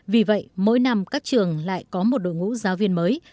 vì vậy mỗi năm các trường lại có một đội ngũ giáo viên mới